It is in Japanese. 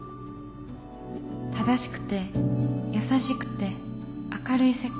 正しくて優しくて明るい世界。